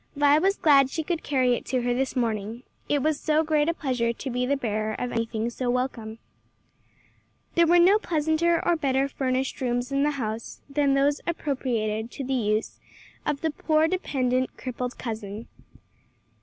Vi was glad she could carry it to her this morning, it was so great a pleasure to be the bearer of anything so welcome. There were no pleasanter or better furnished rooms in the house than those appropriated to the use of the poor, dependent crippled cousin.